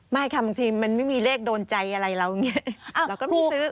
ไม่ค่ะบางทีมันไม่มีเลขโดนใจอะไรเราเนี้ยเราก็ไม่ซื้อ